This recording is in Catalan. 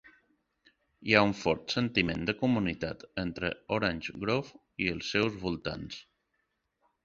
Hi ha un fort sentiment de comunitat entre Orange Grove i els seus voltants.